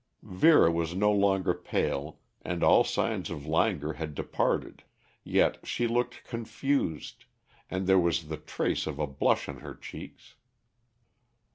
Vera was no longer pale and all signs of languor had departed, yet she looked confused and there was the trace of a blush on her cheeks.